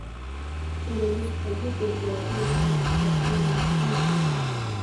ټولنیز هیت د انفرادي نظریاتو په پرتله ډیر جدي او قوي دی.